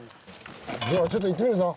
ではちょっといってみるぞ！